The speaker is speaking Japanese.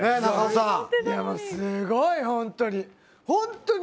すごい本当に。